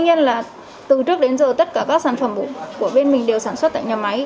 tuy nhiên là từ trước đến giờ tất cả các sản phẩm của bên mình đều sản xuất tại nhà máy